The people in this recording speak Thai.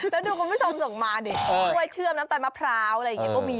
แล้วดูคนผู้ชมส่งมาเลยถ้าเข้าให้เชื่อมน้ำตาลมะพราวก็มี